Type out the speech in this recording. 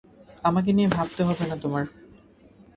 আমাকে নিয়ে ভাবতে হবে না তোমার।